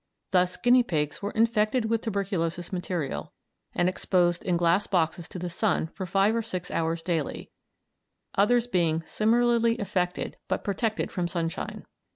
Thus, guinea pigs were infected with tuberculous material and exposed in glass boxes to the sun for five or six hours daily, others being similarly infected but protected from sunshine.